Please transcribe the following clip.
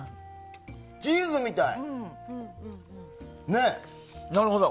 チーズみたい。